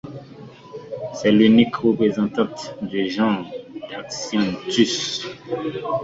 C'est l'unique représentante du genre Darcyanthus.